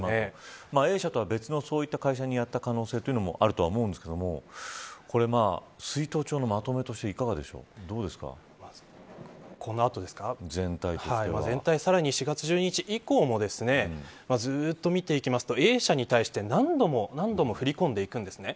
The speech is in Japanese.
Ａ社とは別の会社になった可能性もあると思うんですけど出納帳のまとめとしていかがでしょう全体、さらに４月１２日以降もずっと見ていきますとＡ社に対して何度も何度も振り込んでいるんです。